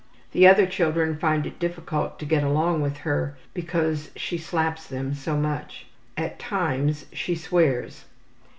The other children find it difficult to get along with her because she slaps them so much. At times she swears.